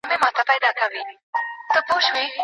هغه ډبره چې په لاره کې وه، ما لرې کړه.